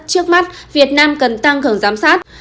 trước mắt việt nam cần tăng cường giám sát